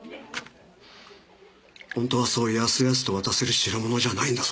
ほんとはそうやすやすと渡せる代物じゃないんだぞ